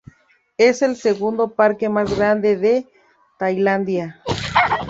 Es el segundo parque más grande de Tailandia.